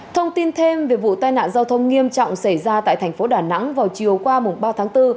thông tin thêm về vụ tai nạn giao thông nghiêm trọng xảy ra tại thành phố đà nẵng vào chiều qua ba tháng bốn